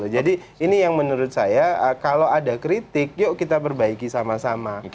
jadi ini yang menurut saya kalau ada kritik yuk kita perbaiki sama sama